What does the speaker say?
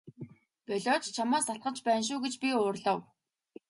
Болиоч чамаас залхаж байна шүү гэж би уурлав.